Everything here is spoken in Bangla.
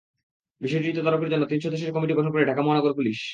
বিষয়টি তদারকির জন্য তিন সদস্যের কমিটি গঠন করে ঢাকা মহানগর পুলিশ।